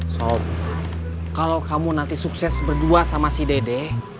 so kalau kamu nanti sukses berdua sama si dede